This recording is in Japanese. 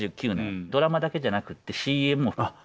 で１９７９年ドラマだけじゃなくてＣＭも。